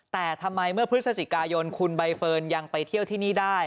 แต่ทำไมเมื่อพฤศจิกายนคุณใบเฟิร์นยังไปเที่ยวที่นี่ได้